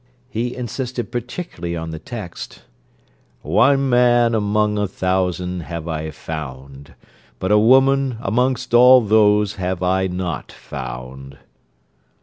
He insisted particularly on the text, 'One man among a thousand have I found, but a woman amongst all those have I not found.'